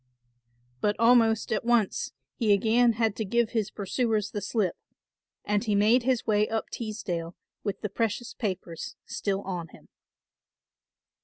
But almost at once he again had to give his pursuers the slip, and he made his way up Teesdale with the precious papers still on him.